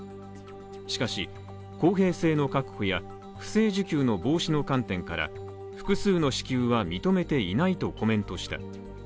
しかし、公平性の確保や、不正受給の防止の観点から、複数の支給は認めていないとコメントした。